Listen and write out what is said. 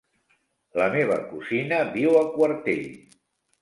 La meva cosina viu a Quartell.